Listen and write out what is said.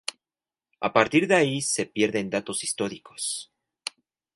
A partir de ahí se pierden datos históricos.